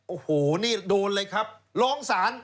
โอ้โหนี่โดนเลยครับร้องศาล